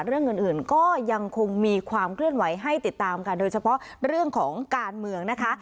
เรื่องอื่นก็ยังคงมีความเคลื่อนไหวให้ติดตามค่ะโดยเฉพาะเรื่องของการเมืองนะคะ